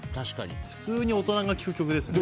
普通に大人が聴く曲ですよね。